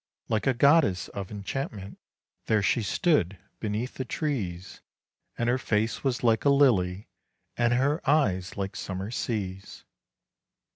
Like a goddess of enchantment, there she stood beneath the trees, And her face was like a lily, and her eyes like summer seas.